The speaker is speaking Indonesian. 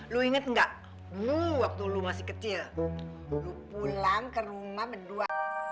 lu inget nggak lu waktu lu masih kecil lu pulang ke rumah berdua